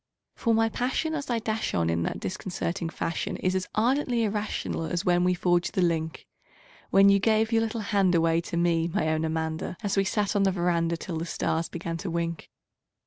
For my passion as I dash on in that disconcerting fashion Is as ardently irrational as when we forged the link When you gave your little hand away to me, my own Amanda An we sat 'n the veranda till the stars began to wink.